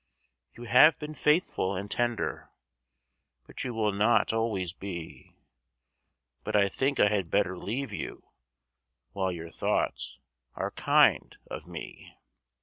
You have been faithful and tender, But you will not always be, But I think I had better leave you While your thoughts are kind of me.